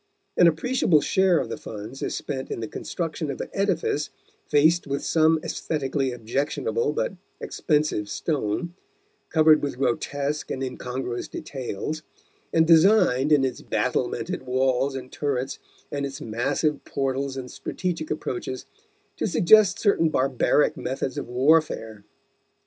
An appreciable share of the funds is spent in the construction of an edifice faced with some aesthetically objectionable but expensive stone, covered with grotesque and incongruous details, and designed, in its battlemented walls and turrets and its massive portals and strategic approaches, to suggest certain barbaric methods of warfare.